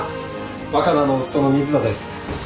若菜の夫の水田です。